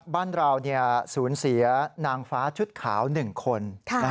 บ้านเราสูญเสียนางฟ้าชุดขาว๑คน